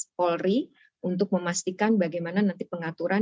dari pihak korlantas polri untuk memastikan bagaimana nanti pengaturan